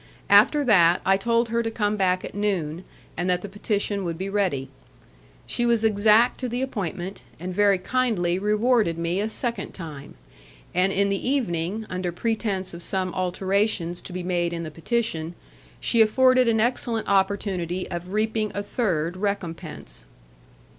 After that, I told her to come back at noon, and that the petition would be ready. She was exact to the appointment, and very kindly rewarded me a second time; and in the evening, under pretence of some alterations to be made in the petition, she afforded an excellent opportunity of reaping a third recompense.